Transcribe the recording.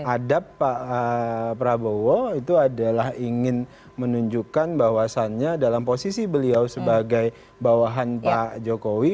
adab pak prabowo itu adalah ingin menunjukkan bahwasannya dalam posisi beliau sebagai bawahan pak jokowi